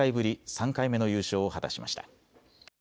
３回目の優勝を果たしました。